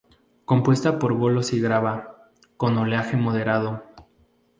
Compuesta por bolos y grava, con oleaje moderado.